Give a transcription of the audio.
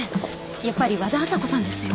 やっぱり和田朝子さんですよ。